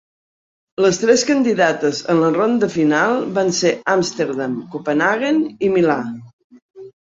Les tres candidates en la ronda final van ser Amsterdam, Copenhaguen i Milà.